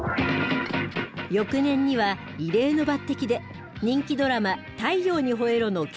翌年には異例の抜てきで人気ドラマ「太陽にほえろ！」の刑事役を演じます。